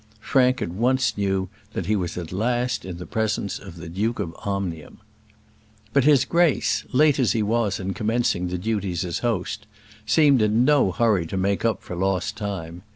Frank at once knew that he was at last in the presence of the Duke of Omnium. But his grace, late as he was in commencing the duties as host, seemed in no hurry to make up for lost time.